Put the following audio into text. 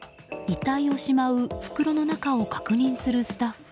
遺体をしまう袋の中を確認するスタッフ。